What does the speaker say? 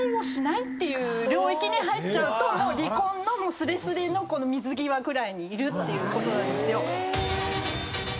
ていう領域に入っちゃうともう離婚のすれすれの水際くらいにいるっていうこと。